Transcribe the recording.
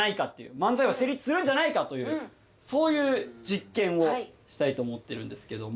漫才は成立するんじゃないかというそういう実験をしたいと思ってるんですけども。